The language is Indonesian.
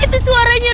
itu suaranya rafa